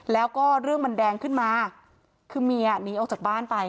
แล้วก็เรื่องมันแดงขึ้นมาคือเมียหนีออกจากบ้านไป